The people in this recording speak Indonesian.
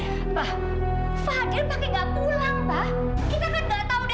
pak fadil pake gak pulang pak